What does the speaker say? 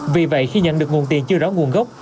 vì vậy khi nhận được nguồn tiền chưa rõ nguồn gốc